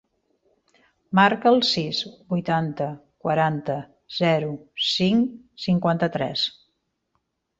Marca el sis, vuitanta, quaranta, zero, cinc, cinquanta-tres.